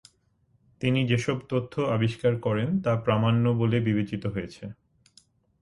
তিনি যে সব তথ্য আবিষ্কার করেন তা প্রামান্য বলে বিবেচিত হয়েছে।